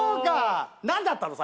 何だったの？